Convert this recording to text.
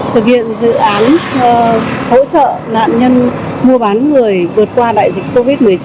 thực hiện dự án hỗ trợ nạn nhân mua bán người vượt qua đại dịch covid một mươi chín